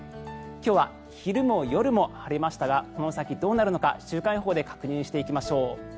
今日は昼も夜も晴れましたがこの先どうなるのか週間予報で確認していきましょう。